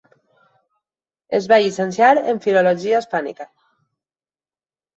Es va llicenciar en Filologia Hispànica.